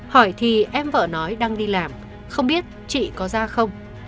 hỏi thì em vở nói đang đi làm không biết chị có ra không